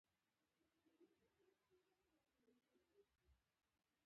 زه غواړم چې د سرو ګوتمۍ واخلم